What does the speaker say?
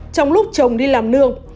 trong lúc chồng đi làm nương